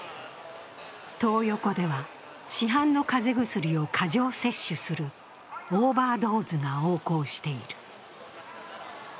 トー横では市販の風邪薬を過剰摂取するオーバードーズが横行している。